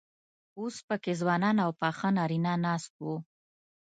اوس پکې ځوانان او پاخه نارينه ناست وو.